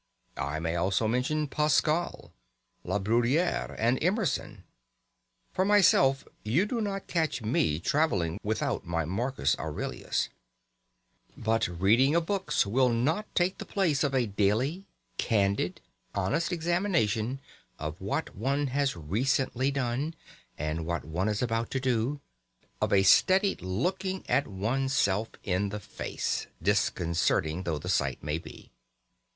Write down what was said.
I may also mention Pascal, La Bruyere, and Emerson. For myself, you do not catch me travelling without my Marcus Aurelius. Yes, books are valuable. But not reading of books will take the place of a daily, candid, honest examination of what one has recently done, and what one is about to do of a steady looking at one's self in the face (disconcerting though the sight may be).